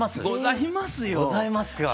ございますか。